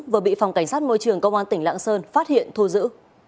vừa bị phòng cảnh sát môi trường công an tỉnh lạng sơn phát hiện thô dữ